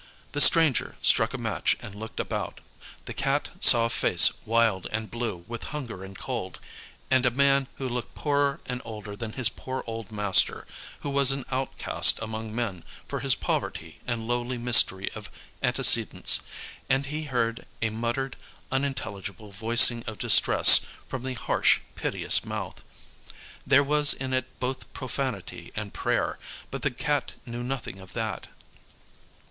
The stranger struck a match and looked about. The Cat saw a face wild and blue with hunger and cold, and a man who looked poorer and older than his poor old master, who was an outcast among men for his poverty and lowly mystery of antecedents; and he heard a muttered, unintelligible voicing of distress from the harsh piteous mouth. There was in it both profanity and prayer, but the Cat knew nothing of that.